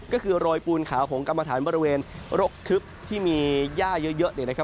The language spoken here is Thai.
ก็คือโรยปูนขาของกรรมฐานบริเวณรกคึบที่มีหญ้าเยอะเลยนะครับ